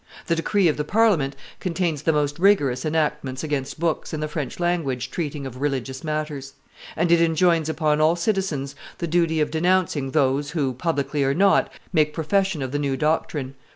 The decree of the Parliament contains the most rigorous enactments against books in the French language treating of religious matters; and it enjoins upon all citizens the duty of denouncing those who, publicly or not, make profession of the new doctrine.